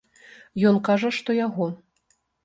Ён кажа, што яго.